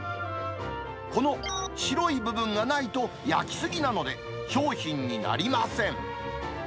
この白い部分がないと、焼き過ぎなので、商品になりません。